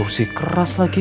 kursi keras lagi ya